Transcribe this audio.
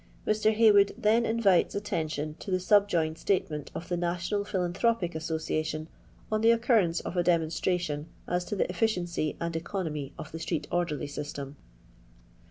Mr. Haywood then invites attention to the sub joined statement of the National Philanthropic Association, on the occurrence of a demonstration as to the efficiency and economy of the street orderly system.